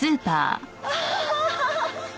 ああ！